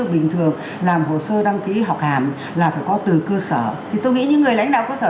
bình thường làm hồ sơ đăng ký học hàm là phải có từ cơ sở thì tôi nghĩ những người lãnh đạo cơ sở